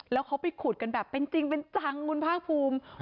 แล้วเขาไปขุดกันแบบเป็นจริงเป็นจังคุณภาคภูมิ